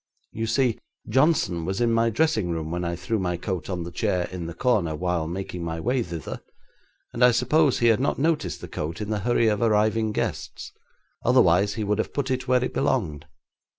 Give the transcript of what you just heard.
You see, Johnson was in my dressing room when I threw my coat on the chair in the corner while making my way thither, and I suppose he had not noticed the coat in the hurry of arriving guests, otherwise he would have put it where it belonged.